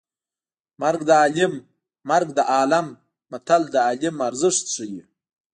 مرګ د عالیم مرګ د عالیم متل د عالم ارزښت ښيي